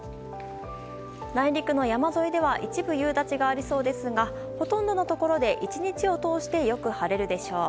内陸の山沿いでは一部夕立がありそうですがほとんどのところで１日を通してよく晴れるでしょう。